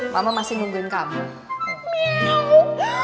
mama masih nungguin kamu